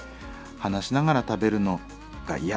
話しながら食べるのが嫌。